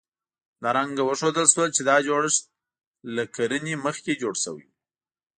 همدارنګه وښودل شول، چې دا جوړښتونه له کرنې نه مخکې جوړ شوي وو.